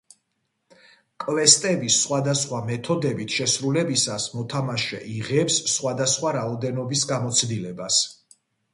კვესტების სხვადასხვა მეთოდებით შესრულებისას მოთამაშე იღებს სხვადასხვა რაოდენობის გამოცდილებას.